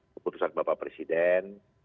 keputusan bapak presiden